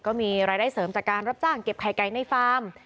ก็มีรายได้เสริมจากการรับจ้างเก็บไข่ไก่ในฟาร์ม